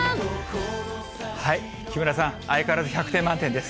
木村さん、相変わらず百点満点です。